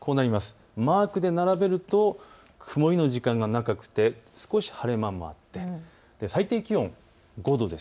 マークで並べると曇りの時間が長くて少し晴れ間もあって最低気温５度です。